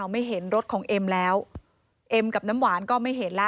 ไม่เห็นรถของเอ็มแล้วเอ็มกับน้ำหวานก็ไม่เห็นแล้ว